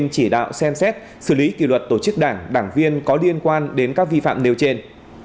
chỉ đạo xem xét xử lý kỷ luật tổ chức đảng đảng viên có liên quan đến các vi phạm nêu trên